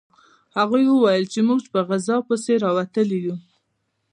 هغوی وویل چې موږ په غذا پسې راوتلي یو